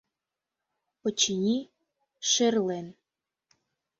Очыни, шӧрлен.